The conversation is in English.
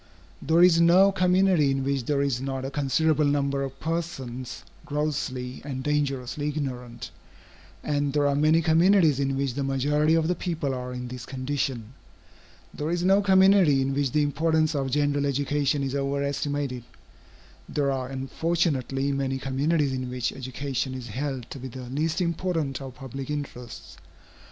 There is no community in which there is not a considerable number of persons grossly and dangerously ignorant, and there are many communities in which the majority of the people are in this condition. There is no community in which the importance of general education is over estimated; there are unfortunately many communities in which education is held to be the least important of public interests.